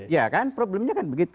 ya kan problemnya kan begitu